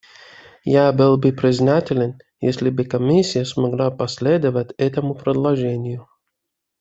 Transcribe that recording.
Я был бы признателен, если бы Комиссия смогла последовать этому предложению.